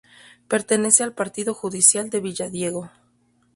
Pertenece al partido judicial de Villadiego.